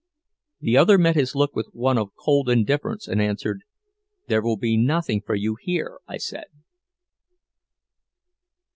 The other met his look with one of cold indifference, and answered, "There will be nothing for you here, I said."